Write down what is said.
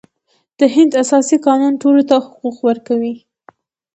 د هند اساسي قانون ټولو ته حقوق ورکوي.